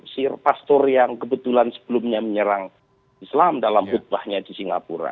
si pastor yang kebetulan sebelumnya menyerang islam dalam khutbahnya di singapura